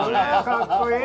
かっこいい！